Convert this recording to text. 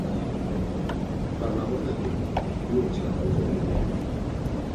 Per l'amor de Déu, tu ets la causa de tot això!